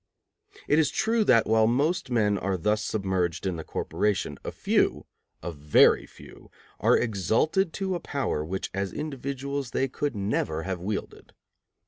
It is true that, while most men are thus submerged in the corporation, a few, a very few, are exalted to a power which as individuals they could never have wielded.